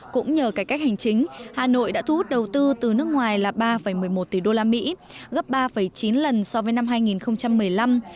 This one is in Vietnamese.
cũng nhờ cải cách hành chính hà nội đã thu hút đầu tư từ nước ngoài là ba một mươi một tỷ usd gấp ba chín lần so với năm hai nghìn một mươi năm